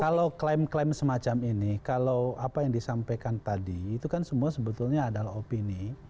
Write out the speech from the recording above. kalau klaim klaim semacam ini kalau apa yang disampaikan tadi itu kan semua sebetulnya adalah opini